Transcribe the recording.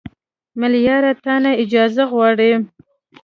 ملیاره تا نه اجازه غواړم